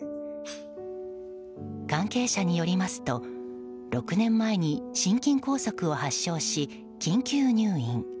関係者によりますと６年前に心筋梗塞を発症し緊急入院。